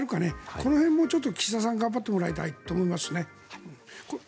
この辺も岸田さんに頑張ってもらいたいと思います。